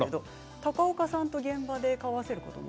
高岡さんと現場で顔を合わせることは？